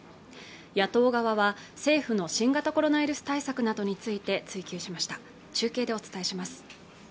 野党側は政府の新型コロナウイルス対策などについて追及しました中継でお伝えします